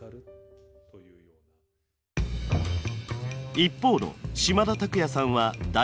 一方の島田拓空也さんは大学生。